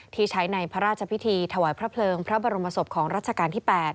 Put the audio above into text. ที่ใช้ในพระราชพิธีถวายพระเพลิงพระบรมศพของรัชกาลที่๘